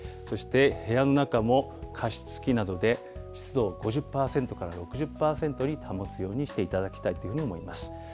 そして部屋の中も加湿器などで湿度を５０％から６０％に保つようにしていただきたいというふうに思います。